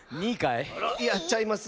いやちゃいます。